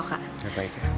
udah baik ya